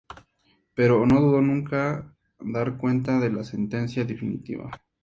Pero no pudo nunca dar cuenta de la sentencia definitiva.